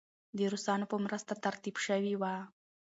د روسانو په مرسته ترتیب شوې وه.